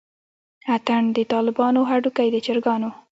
اتڼ دطالبانو هډوکے دچرګانو